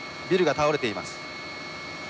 ビルが倒れています。